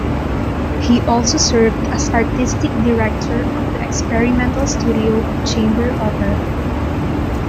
He also served as artistic director of the Experimental Studio of Chamber Opera.